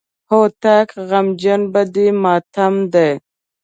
هوتک غمجن په دې ماتم دی.